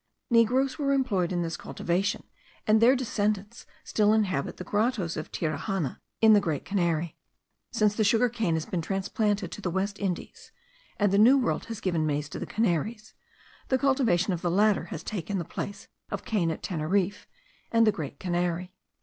Negroes were employed in this cultivation, and their descendants still inhabit the grottos of Tiraxana, in the Great Canary. Since the sugar cane has been transplanted to the West Indies, and the New World has given maize to the Canaries, the cultivation of the latter has taken the place of the cane at Teneriffe and the Great Canary.